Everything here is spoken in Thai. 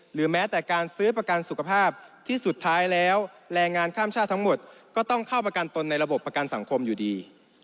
หรือแม้แต่การซื้อประกันสุขภาพที่สุดท้ายแล้วแรงงานข้ามชาติทั้งหมดก็ต้องเข้าประกันตนในระบบประกันสังคมอยู่ดี